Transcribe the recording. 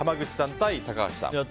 対高橋さん。